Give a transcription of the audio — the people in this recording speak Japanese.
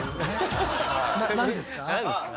何ですか？